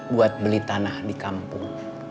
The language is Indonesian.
buat beli tanah di kampung